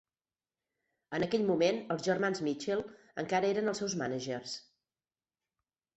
En aquell moment, els germans Mitchell encara eren els seus mànagers.